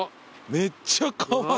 めっちゃ川。